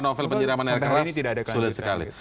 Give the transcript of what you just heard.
novel penyiraman air keras sulit sekali